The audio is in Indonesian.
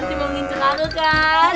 masih mau ngincer aku kan